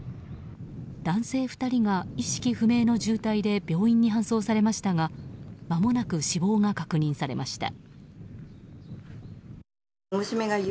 男性２人が、意識不明の重体で病院に搬送されましたがまもなく死亡が確認されました。